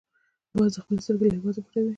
باز خپلې سترګې له هېواده پټوي